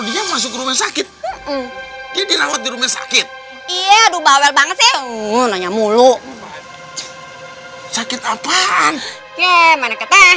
dia masuk rumah sakit dirawat di rumah sakit iya aduh bawel banget sih nanya mulu sakit apaan